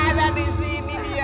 ada disini dia